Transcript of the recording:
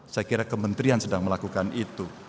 saya kira kementerian sedang melakukan itu